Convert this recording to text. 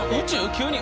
急に。